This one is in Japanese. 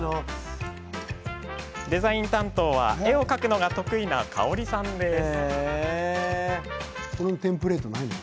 デザイン担当は絵を描くのが得意な香緒里さんです。